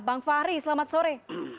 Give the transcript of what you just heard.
bang fahri selamat sore